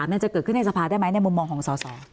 มันจะเกิดขึ้นในสภาได้ไหมในมุมมองของสอสอ